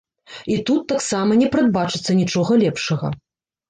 І тут таксама не прадбачыцца нічога лепшага.